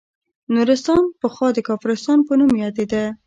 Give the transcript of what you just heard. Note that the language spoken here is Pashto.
نورستان پخوا د کافرستان په نوم یادیده